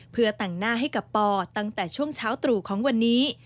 เพื่อแต่งหน้าให้กับปอตั้งแต่ช่วงเช้าตรู่ของวันนี้